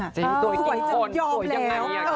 สวยจะยอมแล้ว